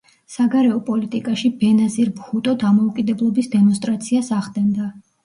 საგარეო პოლიტიკაში ბენაზირ ბჰუტო დამოუკიდებლობის დემონსტრაციას ახდენდა.